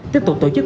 tiếp tục tổ chức